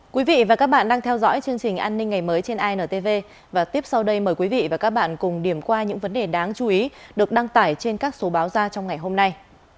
quý vị và các bạn đang theo dõi chương trình an ninh ngày mới trên intv và tiếp sau đây mời quý vị và các bạn cùng điểm qua những vấn đề đáng chú ý được đăng tải trên các số báo ra trong ngày hôm nay